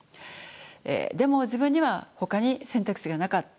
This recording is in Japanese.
でも自分にはほかに選択肢がなかった。